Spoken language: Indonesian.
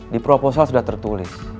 di proposal sudah tertulis